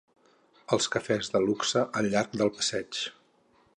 Els cafès de luxe al llarg del passeig